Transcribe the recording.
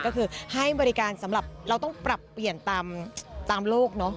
ก็คือให้บริการสำหรับเราต้องปรับเปลี่ยนตามโลกเนอะ